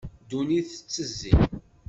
Ddunit tettezzi.